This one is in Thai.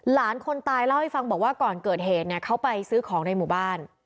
หลานคนตายเล่าให้ฟังบอกว่าก่อนเกิดเหตุเนี่ยเขาไปซื้อของในหมู่บ้าน